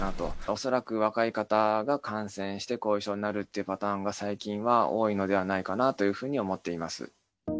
恐らく若い方が感染して後遺症になるっていうパターンが、最近は多いのではないかなというふうに思っています。